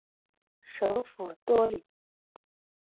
首府多里。